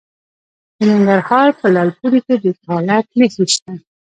د ننګرهار په لعل پورې کې د تالک نښې شته.